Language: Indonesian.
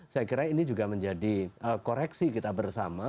saya kira ini juga menjadi koreksi kita bersama